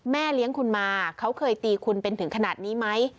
แม่เลี้ยงคุณมาเค้าเคยตีคุณถึงขนาดนี้ไหม